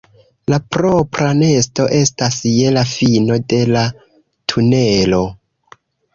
La propra nesto estas je la fino de la tunelo.